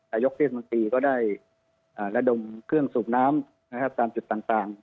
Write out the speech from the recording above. อายกเทศมันตรีก็ได้อ่าและดมเครื่องสูบน้ำนะครับตามจุดต่างต่าง